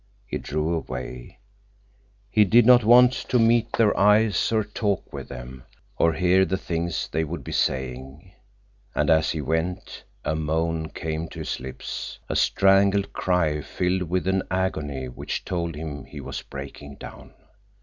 He drew away. He did not want to meet their eyes, or talk with them, or hear the things they would be saying. And as he went, a moan came to his lips, a strangled cry filled with an agony which told him he was breaking down.